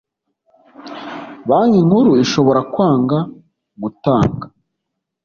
Banki Nkuru ishobora kwanga gutanga